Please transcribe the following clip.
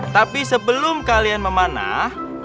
tapi sebelum kalian memanah